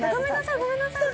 ごめんなさいって。